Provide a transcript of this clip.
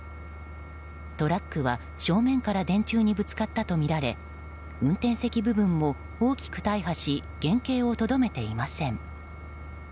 トラックは正面から電柱にぶつかったとみられ運転席部分も大きく大破し原形をとどめていません。